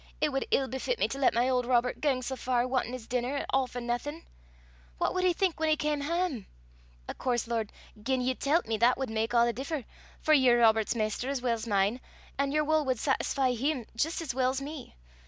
It wad ill befit me to lat my auld Robert gang sae far wantin' his denner, a' for naething. What wad he think whan he cam hame! Of coorse, Lord, gien ye tellt me, that wad mak a' the differ, for ye're Robert's maister as weel 's mine, an' your wull wad saitisfee him jist as weel 's me.